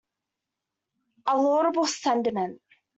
A laudable sentiment.